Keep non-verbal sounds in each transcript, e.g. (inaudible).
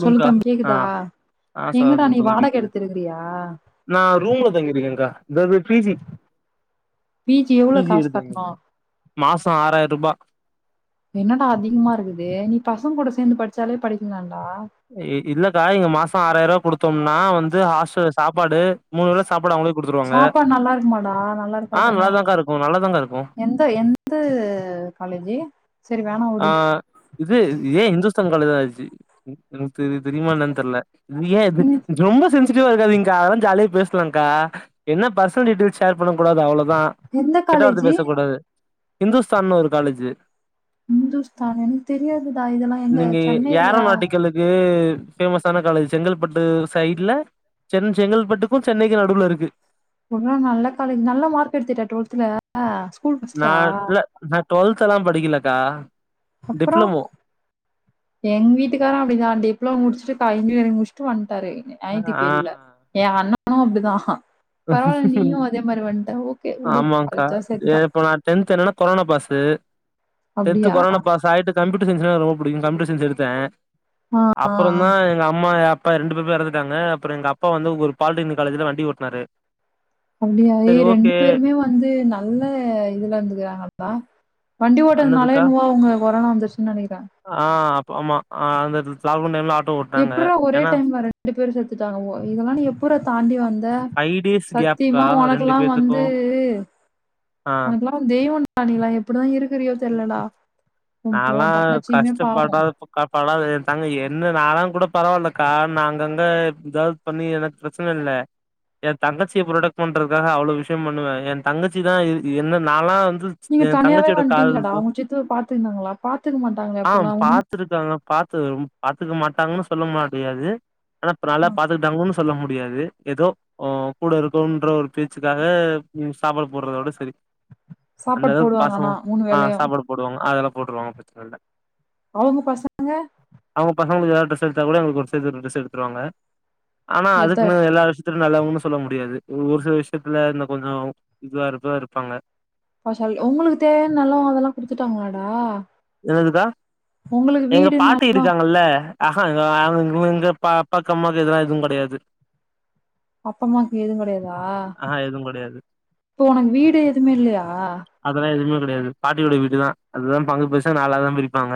சொல்லு தம்பி ஆ கேக்குதா ஆ எங்கடா சொல்லுங்க நீ சொல்லுங்க வாடக கேக்குது எடுத்திருக்கிறீயா இங்க வந்து பி ஜி பி எவ்ளோ ஜி காசு எடுத்து கட்ணு தங்கிற்கோம் மாசோ ஆறாயிரோ ரூபா என்னடா அதிகமா இருக்குது நீ பசங்க கூட சேந்து படிச்சாலே படிக்கலா இ இல்லக்கா இங்க மாச சோ ஆறாயிரோ குடுத் தோம்னா வந்து ஹாஸ்டல்ல சாப்பாடு மூணு வேள சாப்பாடு அவுங்களே குடுத்துருவாங்க சாப்பாடு நல்லா இருக்குமாடா நல்லா ஆஹ் இருக்காதான நல்லாதாங்கா இருக்கு நல்லாதாங்கா இருக்கு எந்த எந்த காலேஜு சரி வேணா வுடு ஆஹ் இது ஏ இந்துஸ்தான் காலேஜ்ஜூ (inaudible) தெரியு தெரியுமா என்னனு தெர்ல நீயா ஏ ரொம்ப சென் சிட்டிவா இருக்காதிங்க்கா அதலா ஜாலியா பேசனுங்க்கா என்ன பர்ஸ்னல் டீடைல்ஸ் ஷேர் பண்ணக் கூடாது அவ்ளோதா எந்த கெட்ட வார்த்த காலேஜு பேசக் கூடாது ஹிந்துஸ்தான்னு ஒரு காலேஜு ஹிந்துஸ்தான் என்க்கு தெரியாதுடா இதல்லாம் எங்க சென்னைலயா? கு பேமஸ் சான காலேஜ். செங்கல்பட்டு சைட்ல சென்-செங்கல்பட்டுக்கு சென்னைக்கு நடுவுல இருக்கு ஒண்ணு நல்ல காலேஜ் நல்ல மார்க் எடுத்துட்யா ட்வல்த்ல? நா இல்ல ந ட்வல்த்தல்லா படிக்கலக்கா அப்றோ டிப்ளமோ எங்க வீட்டுக்காரரு அப்டிதா டிப்ளமோ முடுச்ட்டு இன்ஜினியரிங் முடிச்ட்டு வந் டாரு ஐ டி ஆ பீல்ட்ல. ஏ அண்ணா ணனு அப்டிதா பரவால்ல நீயும் அதே மாரி வந்ட்ட ஓகே உடு ஆமாங்க்க படிச்சா ஏ சரிதான். இப்ப நா டென்த் என்னன்னா கொரோனா பாஸ் ஸு டென்த் அப்டியா? கொரோனா பாஸ் ஆயிட்டு கம்ப்யூட் கம்ப்யூட்டர் சயின்ஸ்னா ரொம்ப புடிக்கு கம்ப்யூட்டர் சயின்ஸ் எடுத்தே ஆ ஆ அப்றொ தா எங்க அம்மா அப் அப்பா ரெண்டு பேருமே எறந்துட்டாங்க அப்றொ எங்க அப்பா வந்து ஒரு பாலிடெனிக் காலேஜ்ல வந்து வண்டி ஓட்னாரு அப்டியா ஏ சரி ரெண்டு ஓகே பேருமே வந்து நல்ல இதுல இருந்துக்றாங்கப்பா வண்டி ஓட்டதுனாலோ அண்ணதுக்கா என்னவோ ஒங்க கொரோனா வந்துருச்சினு நெனைக்றே ஆ அப்ப ஆமா அந்தந் லாக் டவுன் டைம்ல ஆட் எப்புட்ரா ஒரே டைம்ல ரெண்டு பேரும் செத்துட்டாங்க இதெல்லா எப்புட்ரா தாண்டி வந்த ஃபைவ் டேஸ் கேப்புக்கா சத்தியமா ரெண்டு ஒனக்கெல்லா பேத்துக்கு வந்துஹ் ஒனக்கெல்லா தெய்வ தனிவா எப்டிதா இருக் நால்லா தங்கச்சியுமே பாவம். கஷ்டப்படாத படாத க எதுதாங்க என்ன நால்லா கூட பரவால்லக்கா நா அங்கங்க ஏதாவது பண்ணி எனக்கு பிரச்னை இல்ல ஏ தங்கச்சிய புரொடெக்ட் பண்றதுக்காக அவ்ளவ்வு விஷயம் பண்ணுவே ஏ தங்கச்சி தா இது இது என்ன நால்லா ஏ தங்கச்சியோட கால் ட்டீங்களாடா அவங்க சித்தி பாத்துக்கந்தாங்ளா பாத்துக்க மாட்டாங்ளே அப்டில்லா ஒண் த்து பாத்துக்க மாட்டாங்னு சொல்ல மாடியாது ஆனா இப்ப நல்லா உண்மையா? பாத்துக்கிட்டாங்னு சொல்ல முடியாது ஏதோ ஆஹ் கூட இருக்கொன்ற ஒரு பேச்சுக்காக ம் சாப்பாடு போட்றதோட சரி சாப்பாட் போடுவாங்க ஆனா ஆஹ் வேளையும். சாப்பாடு போடுவாங்க அதெல்லா போட்டுருவாங்க பிரச்னை இல்ல அவங்க பசங்க அவங்களுக்கு எதாவது ட்ரெஸ் எடுத்தா கூட எங்களுக்கு ஒரு செஸ் ரெண் ட்ரெஸ் எடுத்தருவாங்க ஆனா எடுத்தா அதுக்குன்னு எல்லா விஷ் (unintelligible) நல்லவங்கன்னு சொல்ல முடியாது ஒரு சில விஷ்யத்துல இந்த கொஞ்சோ இதுவா இருப்ப இருப்பாங்க பாசலி உங்களுக்கு தேன்னெல்ல அதெல்லா குடுத்துட்டாங்களாடா என்னதுக்கா உங்களுக்கு எங்க வீடு நெ பாட்டி இருக்காங்கல்ல ஆஹா ஆ எங்கு எங்கப்பா அப்பாக்கு அம்மாவுக்கு எதுவா எதுவு கெடையாது அப்பா அம்மாக்கு எது கெடையாதா ஆஹா எதுவு கெடையாது இப்போ ஒனக்கு வீடு எதுவுமே இல்லையா யாது பாட்டியோட வீடுதா அதுதா பங்கு பீச் சா நாலாதா பிரிப்பாங்க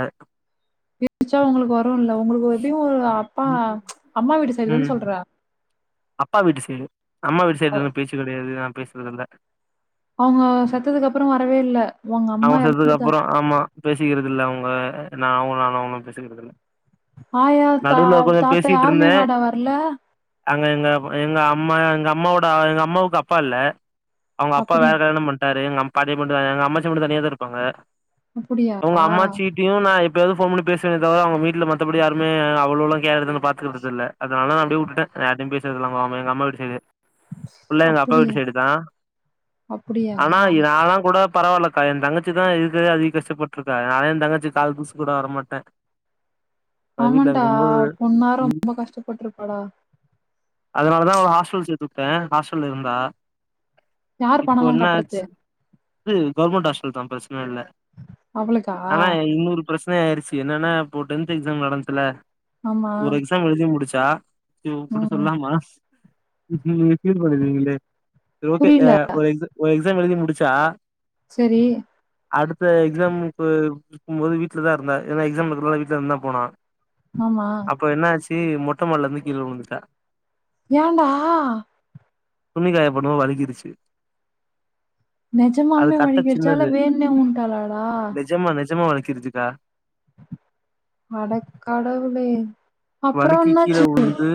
பிரிச்சா உங்களுக்கு வரு இல்ல உங்களுக்கு எப்பயு ஒரு அப்பா அம்மா வீடு சைடு தான ம் சொல்ற அப்பா வீட்டு சைடு அம்மா வீட்டு சைடு இருந்து பேச்சு கெடையாது பேசுறதுல்ல அவங்க செத்ததுக்கு அப்பற வரவே இல்ல உங்க அம்மா எறந்துட்டாங் சிக்கறதில்ல அவங்க நா அவங்க நானும் அவ்ளோ பேசிக்கிறதில்ல ஆயா தா தாத்தா பேசிட்டு யாருமே இருந்தே வாடா வரல அங்க எங்க எங்க அம்மா எங்க அம்மாவோட எங்க அம்மாவுக்கு அப்பா இல்ல அவங்க அப்பா வேற அப்படியா கல்யாணம் பண்டாரு எங்க அம் பாட்டிய மட்டு எங்க அம்மாச்சி மட்டு தனியா தா இருப்பாங்க அப்படியா உங்க அம்மாச்சிட்டியு நா இப் எப்பயாவது ஃபோன் பண்ண பேசுவேனே தவர அவங்க வீட்ல மத்தபடி யாருமே அவ்ளோலா கேர் எடுத்துனு பாத்துகிறதில்ல அதனால நா அப்டியே வுட்டுட்டே யார்ட்டயு பேசறதுல்ல அவங்க எங்க அம்மா வீட்டு சைடு ஃபுல்லா எங்க அப்பா அப்படியா வீட்டு சைடு தா அப்படியா ஆனா நான்லா கூட பரவாயில்லக்கா என் தங்கச்சி தா இருக்கதே அதிக கஷ்டப்பட்ருக்கா நா என் தங்கச்சி கால் தூசு கூட வரமாட்டே அது வீட்ல ஆமான்டா இருக்கும் பொண்ணா போது ரொம்ப கஷ்டப்பட்ருபாடா அதனாலதா அவள ஹாஸ்டல் சேத்து வுட்டே ஹாஸ்டல்ல இருந்தா யார் இப்போ பணம்லா என்ன கட்றது ஆச்சு இது கவர்மெண்ட் ஹாஸ்டல் தா பிரச் இல்ல அவளுக்கா ஆனா இன்னொரு பிரச் சன ஆயிர்ச்சு என்னன்னா இப்போ டென்த் எக்ஸாம் நடந்துச்சுல ஆமா ஒரு எக்ஸாம் எழுதி முடிச்சு டா இவங் இப்டி ம் சொல்லா மனசு நீங்க இப்டி பண்ணுரீங்களே சரி ஓகே புரில அ ஒரு எக்ஸ் ஒரு எக்ஸ் எழுதி முடிச்சா சரி. அடுத்த எக்ஸாம்க்கு போகும் போது வீட்டுல தா இருந்த ஏன்ன எக்ஸாம் இருந்தனால வீட்ல இருந்துதா போனா ஆமா. அப்ப என்னாச்சு சி மொட்ட மாடிலந்து கீழ வுழுந்துட்டா ஏன்டா துணி காய போடும்போது வழுக்கிருச்சு அது நிஜமாலுமே கட்ட வலிக்கிடுச்சு இல்ல சின்னது வேணுனே வுழுந்துட்டாலடா நிஜமா வழுக்கிருச்சிக்கா அடக்கடவுளே வழுக்கி கீழ வுழுந்து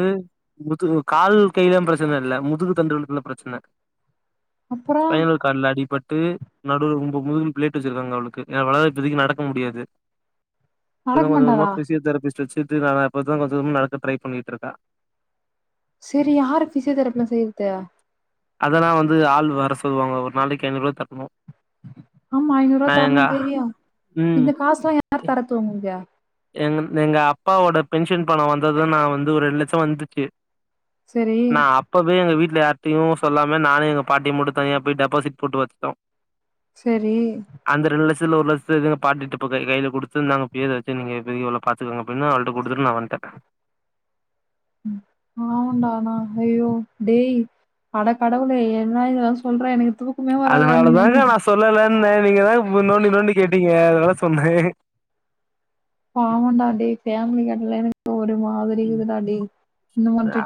முதுகு கால் கையிலாம் பிரச்சனை இல்ல முதுகு தண்டுகளுக்குள்ள பிரச்சனை அப்புறம் ஸ்பைனல் காட்ல அடிப்பட் டு நடுவுல முதுகுல பிளேட் வச்சிருக்காங்க அவளுக்கு அவளால இப்பதிக்கு நடக்க முடியாது இப்பதா நடக்க கொஞ்ச கொஞ்சமா மாட்டாளா? பிசியோதெரபிஸ் ரெஸ்ட் எடுத்துக்கலாம்ல இப்பதான் கொஞ்சம் கொஞ்சமா நடக்க ட்ரை பண்ணிட்டு இருக்கே செரி யாரு ஃபிசியோதெரபிலா செய்யற்து அதல்லா வந்து ஆள் வர சொல்லுவாங்க ஒரு நாளக்கி ஐநூறுவா தர்ணு ஆமா ஐநூறுவா தர்ணு தெரியு இந்த காசுல்லா யார் தர்றது உங்ளுக்கு எங்கன் எங்க அப்பாவோட பென்ஷன் பணொ வந்தது நா வந்து ஒரு ரெண்டு லட்சோ வந்துச்சு சரி, நா அப்பவே எங்க வீட் ல யார்ட்டையு சொல்லாம நானு எங்க பாட்டியு மட்டு தனியா போய் டெபாசிட் போட்டு வச்ட்டோ செரி த்ல ஒரு லட்சத்த எங்க பாட்டிட்ட ப கை கைல குடுத்து இந்தாங்க போய் இத வச்சி நீங்க இப்போதிக்கி இவள பாத்துக்கோங்க அப்டின்னா அவள்ட்ட குடுத்துட்டு நா வன்ட்ட பாவொண்டா ஆனா ஐயோ டேய் அட கடவுளே எல்லா எலா சொல்றா எனக்கு தூக்கமே வராதுடா அதனால அன்னைக்கு நைட்டு. தாங்க நா சொல்லல ன்ன நீங்க தா நோண்டி நோண்டி கேட்டீங்க அதனால சொன்ன பாவொண்டா டேய் ஃபேமிலிக்காட்டிலா எனக் கு ஒரு மா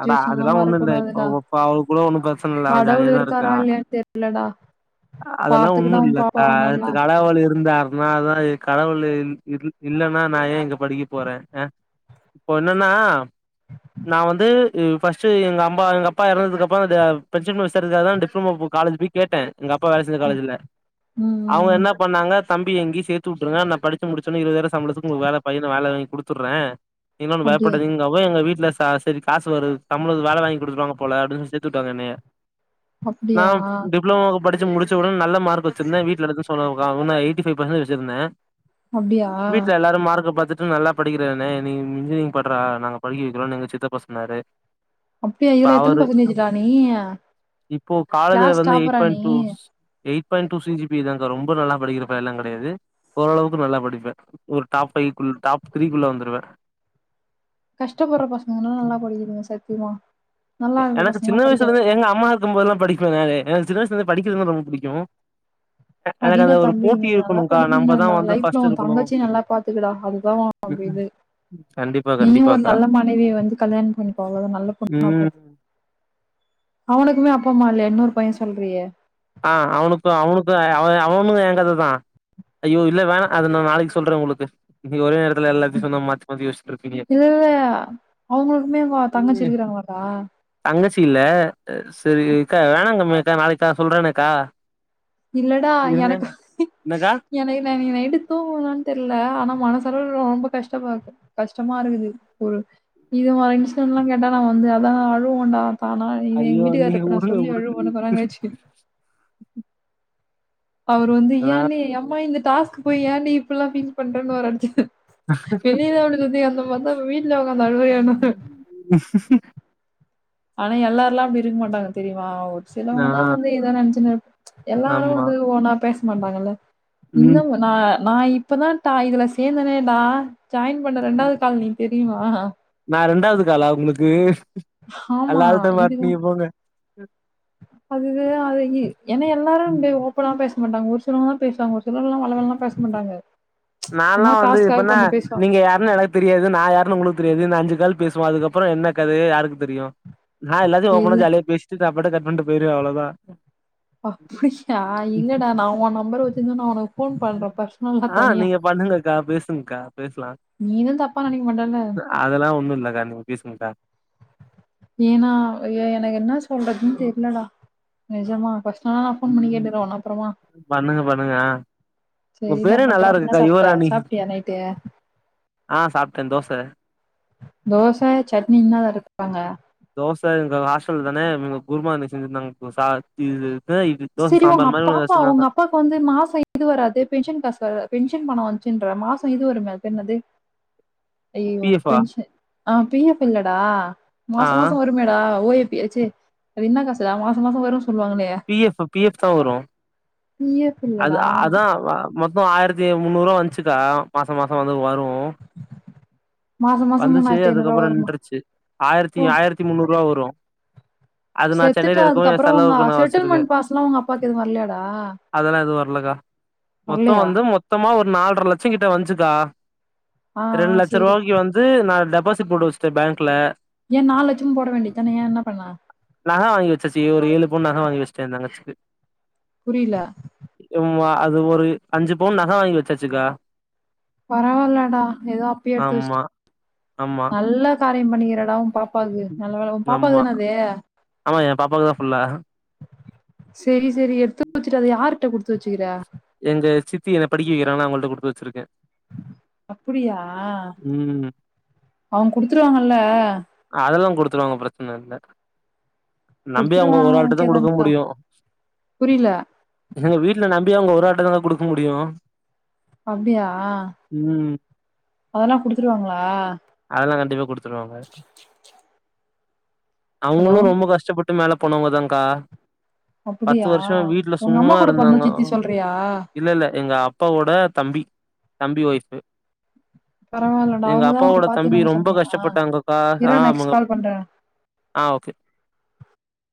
அட அதுல்லா ஒண்ணு இல்ல வரக்கூடாதுடா. இப்பப்ப அவ கூட ஒண்ணும் ப்ரச்சன இல்ல அவ கடவுள் ஜாலியதா இருக்காரா இருக்கா இல்லையான்னு தெரியலடா அதெல்லா ஒன்னு பாத்துக்கடா உன் இல்ல ஆ பாப்பாவ நல்லா அத்துக்கடவுள் இருந்தார் நா அதா இ கடவுள் இல் இல் இல்லன்னா நா ஏ இங்க படிக்க போற இப்ப ஒன் ணண்ணா நா வந்து ம், ஃபர்ஸ்ட் எங்க அம்மா எங்க அப்பா எறந்ததுக்கு அப்பறோ அந்த பென்ஷன் பணம் விசாரிக்கறத்துக்காக டிப்ளமோ காலேஜ்ல போய் கேட்ட எங்க அப்பா வேலை செஞ்ச காலேஜ்ல அவங்க ம் என்ன பண்ணாங்க தம்பி இங்யே சேத்து விட்டுருங்க நா படிச்சு முடிச்சோன்ன இருபாதாயிரம் சம்பளத்துக்கு உங்களுக்கு வேல பையனுக்கு வேலை வாங்கி குடுத்துட்றே அப்டியா அப்போ எங்க வீட்ல ச செரி காசு வருது சம்பளத்துக்கு வேல வாங்கி குடுத்துருவாங்க போல அப்டின்னு சேத்து விட்டாங்க என்னைய நா அப்டியா டிப்ளோமா படிச் சி முடிச்ச உடனே நல்ல மார்க் வச்சிருந்த வீட்ல எது சொல்ல கா நா எயிட்டி ஃபைவ் பர்சன்டேஜ் வச்சிருந்த அப்டியா வீட்ல எல்லாரு மார்க்க பாத்து ட்டு நல்லா படிக்கிறதான நீ இன்ஜினியரிங் பட்றா நாங்க படிக்க வைக்கிறோனு எங்க சித்தப்பா சொன்னாரு அப்டியா இப்ப இதுல எத்தன அவரு பர்சன்டேஜ்டா நீ இப்போ காலேஜ்ல கிளாஸ் வந்து எயிட் டாப்பரா பாயிண்ட் நீ two eight point two C G பிதாங்க்கா ரொம்ப நல்லா படிக்கிற பையன்லா கெடையாது ஓரளவுக்கு நல்லா படிப்பே ஒரு டாப்பைவ் குள் டாப் த்ரீ குள்ள வந்துருவே கஷ்டப்பட்ற பசங்கலா நல்லா படிக்கிறிங்க சத் தியமா எனக்கு சின்ன வயசுல இருந்து எங்க அம்மா இருக்கும்போல்லா படி அ எனக்கு சின்ன வயசுலந்து படிக்கிறது ரொம்ப பிடிக்கு படிடா தம்பி நீ நல்லா நம்ம தான் படிக்கனும்டா வந்து லைஃப்ல ஃபர்ஸ்ட் உன் இருக்கணும் தங்கச்சி அப்டின்னு நல்லா பாத்துக்கடா அதுதா தம்பி ம் இது கண்டிப்பா நீயு ஒரு கண்டிப்பாக்கா நல்ல மனைவிய வந்து கல்யாணம் பண்ணிப்ப அத நல்ல பொண்ண பாத்து ம் அவனுக்குமே அப்ப அம்மா இல்ல இன்னொரு பையன் சொல்றியே ஆஹ் அவனுக்கு அவனுக்கு அவே அவனு ஏங்கத தா ஐயோ இல்ல வேண அத நா நாளைக்கு சொல்றே உங்களுக்கு நீ ஒரே நேர இல்ல இல்ல அவங்களுக்குமேங்க தங்கச்சி ம் இருக்கிறாங்களாப்பா தங்கச்சி இல்ல சரிக்கா வேணாங்கமக்கா நாளைக்கு தா சொல்றேனேக்கா இல்லடா இருங்க எனக்கு என்னக்கா எனக்கு நா இன்னைக்கு நைட்டு தூங்குவேனானு தெர்ல ஆனா மனசளவுல ரொம்ப கஷ்டம் ஆ கஷ்டமா இருக்குது ஒரு இது மாரி இன்சிடென்ட்லா கேட்டா நா வந்து அத அழுவண்டா ஆனா இது எங்க ஐயோ வீட்டுக்காரட்ட நீங்க இப்ப நா வுடுங்க சொல்லி வுடுங்க அழுவோன்னு வுடுங்க கொஞ்ச நேரோ கழிச்சு அவர் வந்து ஆ யானே யம்மா இந்த டாஸ்க் ப்ப யாண்டி இப்பல்லா ஃபீல் பண்றனுவாரு அடுத்து வெளியதா (unintelligible) பாத்தா வீட்டுல ஒக்காந்து அழுவுறியான் வாரு ஆனா எல்லாருல்லா அப்டி இருக்க மாட்டாங்க தெரியுமா ஆ சிலவங்கனா வந்து இத நெனைச்சன்னு எல்லாரு ஆமா வந்து ஒ நா பேச க்க மாட்டாங்கள ம் இன்னமு நா நா இப்பதா டா இதுல சேந்தனேடா ஜாயின் பண்ண ரெண்டாவது கால் நீ தெரியுமா டாவது காலா உங்களுக்கு ஆமா அல்லால்ட்ட இதுக்கு மாட்னீங்க போங்க அது அதகி ஏன்னா எல்லாரு அப்டே ஓப்பனா பேச மாட்டாங்க ஒரு சிலவங்கதா பேசுவாங்க ஒரு சிலர்லா வல வலன்லா பேச மாட்டாங்க நாலா சும்மா வந்து டாஸ்க்காக இப்பன்னா கொஞ்சம் பேசுவாங்க. நீங்க யாருன்னு எனக்கு தெரியாது நா யாருன்னு உங்களுக்கு தெரி யாது இந்த அஞ்சு கால் பேசுவோ அதுக்கப்புறோ என்ன கதயோ யாருக்கு தெரியும் நா எல்லாத்தையு ஓப்பனா இல்ல ஜாலியா பேசிட்டு நா பாட்டு கட் பண்ட்டு போயிருவ அவ்ளோதா அப்டியா இல்லடா நா ஒ நம்பர வச் (unintelligible) ஆஹ் நீங்க பண்ணுங்கக்கா பேசுங்க்கா பேசலா நீ எதுவும் தப்பா நினைக்க மாட்டல்ல? அதெல்லா ஒண்ணு இல்லக்கா நீங்க பேசுங்க்கா ஏன்னா அய்யோ எனக்கு என்ன சொல்றதுன் தெரிலடா நெஜமா ஃபஸ் ஆனா போன் பண்ணி கேட்டுக்குறே ஒன்ன அப்புறமா பண்ணுங்க பண்ணுங்க ஆ உங்க சரிடா பேரே நல்லா அப்புறம் என்ன இருக்குக்கா சாப்ட்ட சாப்ட்டியா நைட்டு ஆஹ் சாப்ட்டன் தோச தோச சட்னி இன்ன அரைப்பாங்க தோச எங்க ஹாஸ்டல் தானே இங்க குருமா இருந்து செஞ்சிருந்தாங்க சா இது இது தோச செரி உங்க சாம்பார் அ மாரி ஒன்னு பாப்பா உங்க வச்சிருந்தாங்க அப்பாவுக்கு வந்து மாசம் இது வராது பென்ஷன் காசு வர பென்ஷன் பணம் வந்துச்சுன்றா மாசம் இது ஒரு மேப் என்னது அய்யயோ பி எஃப் ஆ பென்ஷன் ஆஹ் பி எஃப் இல்லடா ஆ மாசம் ஆ மாசம் வருமேடா ஓ ஏ ஏ சீ அது என்ன காசுடா மாச மாச வரும் சொல்லுவாங்களே பி எஃப் பி எஃப் தான் வரும் பிஎஃப் அது இல்லடா. அதான் மொத்தம் ஆயிரத்தி முன்னூரூபா வந்துச்சுக்கா மாச மாச வந்து வரும் மாசம் மாசம் ரூ. வந்துச்சு அதுக்கப்புறம் வருமா? நின்றுச்சு ஓ! ஆயிரத்தி ஆயிரத்தி முன்னூறுபா வரும் அது நான் செத்துட்டா சென்னையில இருக்கவும் என் அதுக்கப்புறம் உங்க செலவுக்கு நா வச்சிருக்க செட்டில்மெண்ட் காசுலாம் உங்க அப்பாவுக்கு எதுவும் வரலையாடா? அதெல்லா எதும் வரலக்கா மொத்தம் வரலையா? வந்து மொத்தமா ஒரு நால்ர லட்சம் கிட்ட ட்டு வந்துச்சுக்கா ஆ, ஆ ரெண்டு லட்ச சரி. ரூபாய்க்கு வந்து கு நான் டெபாசிட் போட்டு வச்சிட்டன் பேங்க்ல ஏன் நாலு லட்சமும் போட வேண்டியதானே ஏன் என்ன பண்ண நக வாங்கி வச்சாச்சி ஒரு ஏலு பவுனு நக வாங்கி வச்சிட்டன் என் தங்கச்சிக்கு புரியல ஆமா அது ஒரு அஞ்சு பவுன் நக வாங்கி வச்சாச்சுக்கா பரவாயில்லடா ஏதோ அப்பயே எடுத்து வச்சுட்ட ஆமா ஆமா நல்லா காரியம் பண்ணிக்கிறடா உன் பாப்பாக்கு நல்ல வேலை உன் பாப்பா ஆமா தான அது ஆமா என் பாப்பாக்கு தான் ஃபுல்லா செரி செரி எடுத்துவச்சுட்டு அது யாருடா குடுத் த்து வச்சுருக்குற எங்க சித்தி என்னை படிக்க வக்கிறாங்கள்ல அவங்கள்ட்ட குடுத்து வச்சிருக்கேன் அப்டியா ம். அவங்க குடுத்துருவாங்கல்ல குத்துருவாங்க பிரச்சன இல்ல நம்பி அவுங்க குடுத்துருவான் ஒரு ஓகே ஆள்ட்டதான் தான் குடுக்க முடியும் புரில எங்க வீட்டுல நம்பி அப்படியே அவங்க ஒரு வேறயார்ட்டதான் குடுக்க முடியும் அப்டியா அதெலா குடுத்துருவாங்களா அதெல்லா கண்டிப்பா ஹலோ அவங்களும் ரொம்ப கஷ்டபட்டு மேல போனவங்கதான்க்கா அப்டியா உங்க அம்மா கூட பொறந்தவங்க சித்தி சொல்ரியா இல்லல்ல எங்க அப் பாவோட தம்பி தம்பி ஓய்ஃப்பு பரவால்லடா எங்க அவங்கதா உங்கள அப்பாவோட தம்பி பாத்துக்குனாங்கன்னு ரொம்ப சொன்னியா கஷ்டப்பட்டாங்கக்கா இர்றா நெக்ஸ்ட் ஆமாங்க கால் பண்றே ஆ ஓக்கே